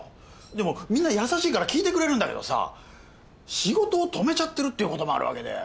でもみんな優しいから聞いてくれるんだけどさ仕事を止めちゃってるっていうこともあるわけで。